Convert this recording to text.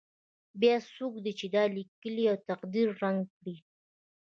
بیا څوک دی چې دا لیکلی تقدیر ړنګ کړي.